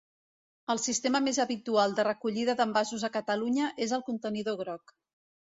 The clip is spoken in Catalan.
El sistema més habitual de recollida d'envasos a Catalunya és el contenidor groc.